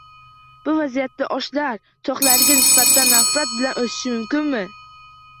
Bu vaziyatda ochlar to‘qlarga nisbatan nafrat bilan o‘sishi mumkinmi?